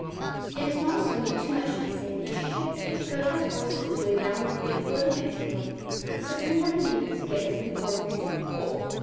It is not assuming too much to say that a ship which could have forced its way round the great floating ice field would certainly have been able to get within four degrees of the Pole.